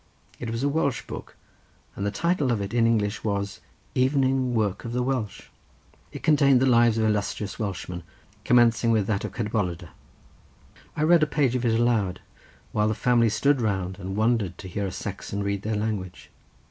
It was a Welsh book, and the title of it in English was Evening Work of the Welsh. It contained the lives of illustrious Welshmen, commencing with that of Cadwalader. I read a page of it aloud, while the family stood round and wondered to hear a Saxon read their language.